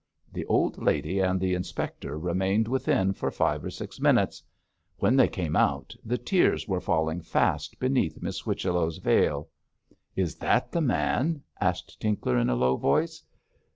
The little old lady and the inspector remained within for five or six minutes. When they came out the tears were falling fast beneath Miss Whichello's veil. 'Is that the man?' asked Tinkler, in a low voice.